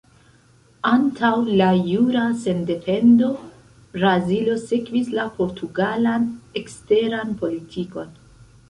Antaŭ la jura sendependo, Brazilo sekvis la portugalan eksteran politikon.